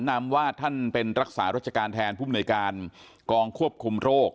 นำวาดท่านเป็นรักษารัชการแทนผู้มนวยการกองควบคุมโรค